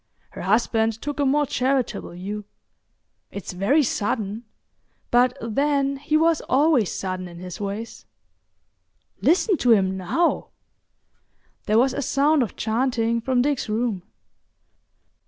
Her husband took a more charitable view. "It's very sudden—but then he was always sudden in his ways. Listen to him now!" There was a sound of chanting from Dick's room.